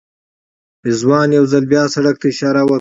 رضوان یو ځل بیا سړک ته اشاره وکړه.